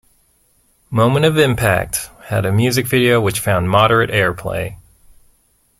"Moment of Impact" had a music video which found moderate airplay.